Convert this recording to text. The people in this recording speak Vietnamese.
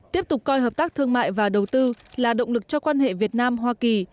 tiếp tục coi hợp tác thương mại và đầu tư là động lực cho quan hệ việt nam hoa kỳ